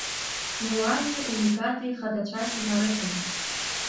Иоанни улигати хадацәас инарыҭаны.